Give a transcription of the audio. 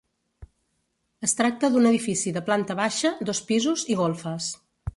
Es tracta d'un edifici de planta baixa, dos pisos i golfes.